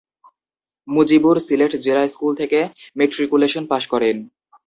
মুজিবুর সিলেট জিলা স্কুল থেকে matriculation pass করেন।